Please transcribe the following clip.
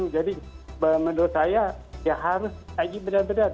jadi menurut saya ya harus lagi benar benar